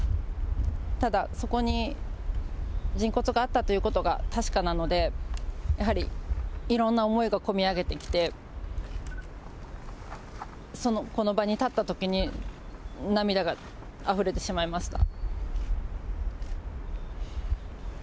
ただ、そこに人骨があったということが確かなので、やはりいろんな思いがこみ上げてきて、この場に立ったときに涙があふれてしまいました。